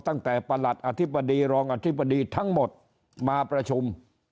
ประหลัดอธิบดีรองอธิบดีทั้งหมดมาประชุม